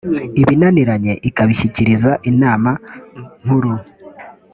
ibinaniranye ikabishyikiriza inama nkuru